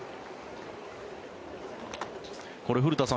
これ、古田さん